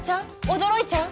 驚いちゃう？